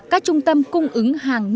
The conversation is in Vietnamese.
các trung tâm cung ứng hàng nước